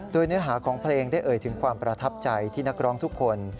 โดยเนื้อหาของเพลงได้เอ่ยถึงความประทับใจที่นักร้องทุกคน